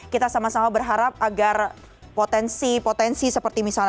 kita sama sama berharap agar potensi potensi seperti misalnya